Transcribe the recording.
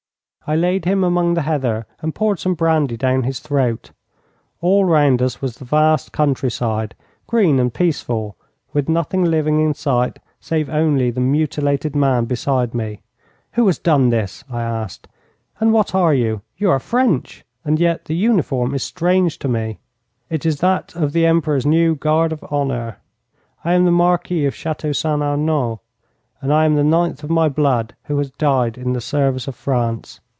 I laid him among the heather and poured some brandy down his throat. All round us was the vast countryside, green and peaceful, with nothing living in sight save only the mutilated man beside me. 'Who has done this?' I asked, 'and what are you? You are French, and yet the uniform is strange to me.' 'It is that of the Emperor's new guard of honour. I am the Marquis of Château St Arnaud, and I am the ninth of my blood who has died in the service of France.